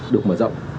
được mở rộng